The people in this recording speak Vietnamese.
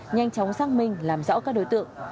nhanh chóng xác minh làm rõ các đối tượng